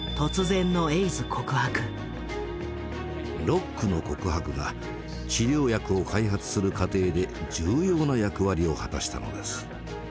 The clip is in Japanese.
ロックの告白が治療薬を開発する過程で重要な役割を果たしたのです。